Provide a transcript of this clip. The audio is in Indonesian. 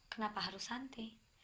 kenapa harus santi